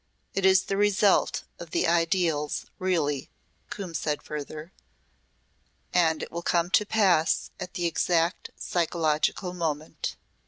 It is the result of the ideals really," Coombe said further. "And it will come to pass at the exact psychological moment.